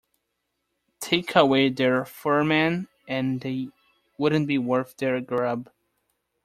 Take away their foreman and they wouldn't be worth their grub.